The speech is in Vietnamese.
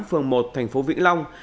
phường một thành phố vĩnh long